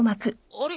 あれ？